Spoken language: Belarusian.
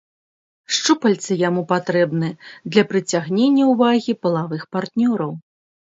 Шчупальцы яму патрэбны для прыцягнення ўвагі палавых партнёраў.